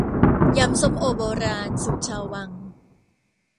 ยำส้มโอโบราณ สูตรชาววัง